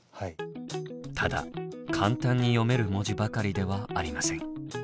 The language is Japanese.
ただ簡単に読める文字ばかりではありません。